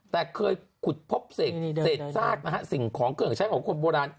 แต่เคยขุดพบเศษซากนะฮะสิ่งของเครื่องใช้ของคนโบราณ